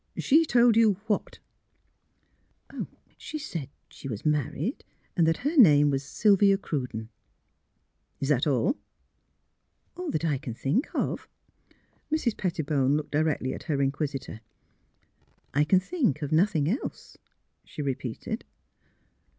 She told you — what? " NOT AT HOME TO VISITORS 153 She said she was married, and that her name was Sylvia Cruden." '' Is that all? " ''All that I think of." Mrs. Pettiborne looked directly at her inquisi tor. " I can think of nothing else," she re peated.